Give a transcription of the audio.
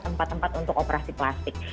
tempat tempat untuk operasi plastik